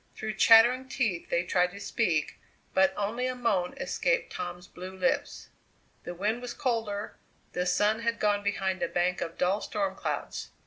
Through chattering teeth they tried to speak, but only a moan escaped Tom's blue lips. The wind was colder; the sun had gone behind a bank of dull storm clouds.